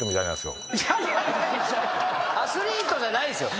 アスリートじゃないですよ。